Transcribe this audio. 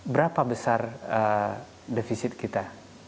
berapa besar defisit kita